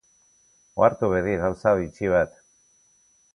Ohartu bedi gauza bitxi bat.